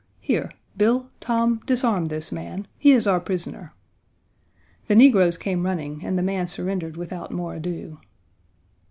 Here, Bill, Tom, disarm this man. He is our prisoner." The negroes came running, and the man surrendered without more ado.